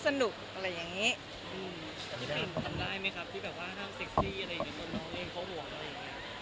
ห้ามเซ็กซี่อะไรอย่างนี้น้องน้องเองเขาห่วงอะไรอย่างนี้